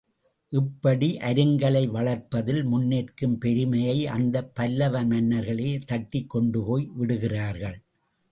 இப்படி அருங்கலை வளர்ப்பதில் முன்னிற்கும் பெருமையை, அந்தப் பல்லவ மன்னர்களே தட்டிக் கொண்டு போய் விடுகிறார்கள்.